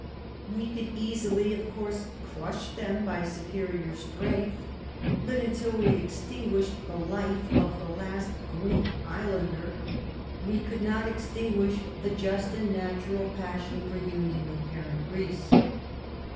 We could easily, of course, crush them by superior strength, but until we had extinguished the life of the last Greek islander we could not extinguish the just and natural passion for union with parent Greece.